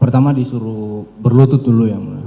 pertama disuruh berlutut dulu ya mulia